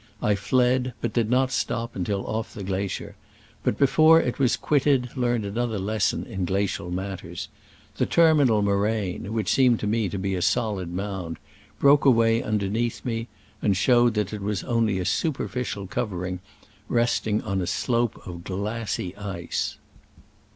I fled, and did not stop until off the glacier, but before it was quitted learned another* lesson in glacial mat ters : the terminal moraine, which seem ed to be a solid mound, broke away underneath me, and showed that it was only a superficial covering resting on a slope of glassy ice.